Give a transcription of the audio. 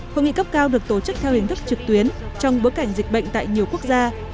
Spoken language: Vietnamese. hội nghị cấp cao được tổ chức theo hình thức trực tuyến trong bối cảnh dịch bệnh tại nhiều quốc gia